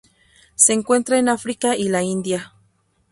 Se encuentra en África y la India.